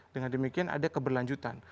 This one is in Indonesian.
dengan demikian ada keberlanjutan